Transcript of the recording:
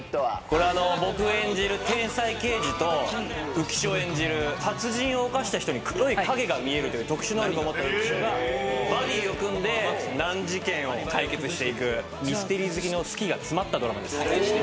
これは僕演じる天才刑事と浮所演じる殺人を犯した人に黒い影が見えるという特殊能力を持った浮所がバディを組んで難事件を解決していくミステリー好きの好きが詰まったドラマです。